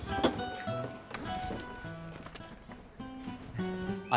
kita mau ke rumah